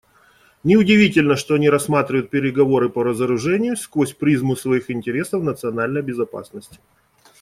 Неудивительно, что они рассматривают переговоры по разоружению сквозь призму своих интересов национальной безопасности.